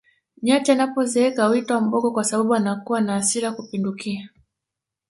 nyati anapozeeka huitwa mbogo kwa sababu anakuwa na hasira kupindukia